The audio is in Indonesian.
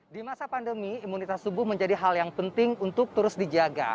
di masa pandemi imunitas tubuh menjadi hal yang penting untuk terus dijaga